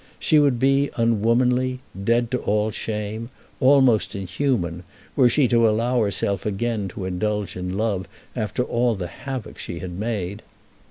She would be unwomanly, dead to all shame, almost inhuman, were she to allow herself again to indulge in love after all the havoc she had made.